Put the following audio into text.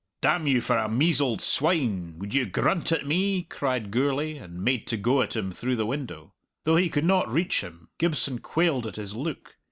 "Damn you for a measled swine! would you grunt at me?" cried Gourlay, and made to go at him through the window. Though he could not reach him, Gibson quailed at his look.